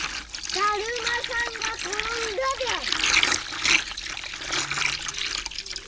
だるまさんが転んだである。